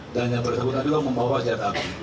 dan yang bersebut juga membawa sejarah